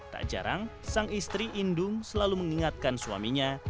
tak jarang sang istri indung selalu mengingatkan suaminya